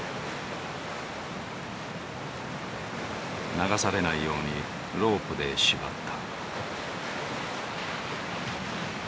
流されないようにロープで縛った。